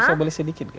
saya beli sedikit guys